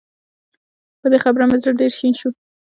په دې خبره مې زړه ډېر شين شو